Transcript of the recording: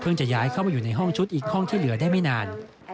จะย้ายเข้ามาอยู่ในห้องชุดอีกห้องที่เหลือได้ไม่นาน